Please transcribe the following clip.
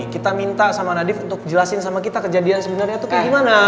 kita minta sama nadif untuk jelasin sama kita kejadian sebenarnya itu kayak gimana